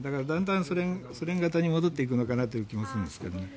だんだんソ連型に戻っていくのかなという気もするんですけど。